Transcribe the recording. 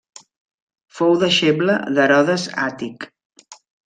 Fou deixeble d'Herodes Àtic.